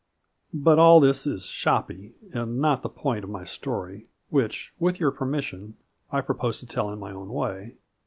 But all this is "shoppy," and not to the point of my story, which, with your permission, I propose to tell in my own way.